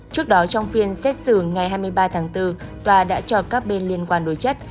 trước đó trong phiên xét xử ngày hai mươi ba tháng bốn tòa đã cho các bên liên quan đối chất